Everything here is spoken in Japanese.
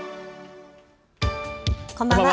こんばんは。